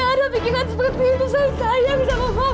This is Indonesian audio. gak ada pihak seperti itu saya sayang sama mama